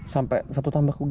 sampai satu tambah kugin